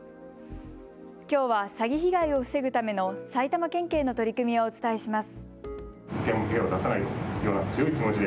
きょうは詐欺被害を防ぐための埼玉県警の取り組みをお伝えします。